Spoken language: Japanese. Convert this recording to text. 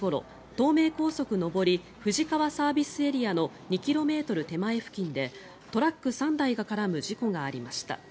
東名高速上り富士川ＳＡの２ｋｍ手前付近でトラック３台が絡む事故がありました。